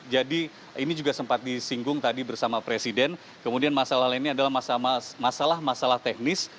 jadi ini juga sempat disinggung tadi bersama presiden kemudian masalah lainnya adalah masalah masalah teknis